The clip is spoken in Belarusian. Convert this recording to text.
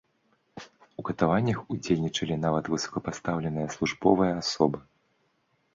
У катаваннях удзельнічалі нават высокапастаўленыя службовыя асобы.